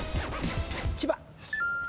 千葉。